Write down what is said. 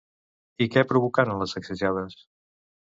I què provocaren les sacsejades?